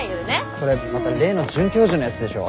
それまた例の准教授のやつでしょ？